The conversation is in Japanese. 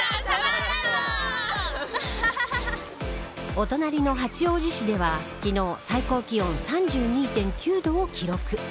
お隣の八王子市では昨日、最高気温３２．９度を記録。